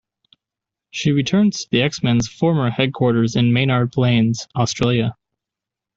She returns to the X-Men's former headquarters in Maynards Plains, Australia.